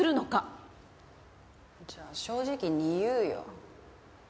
じゃあ正直に言うよ。